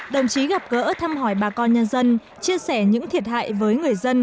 đồng chí gặp gỡ thăm hỏi bà con nhân dân chia sẻ những thiệt hại với người dân